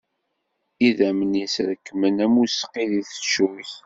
Idammen-is rekkmen am useqqi di teccuyt.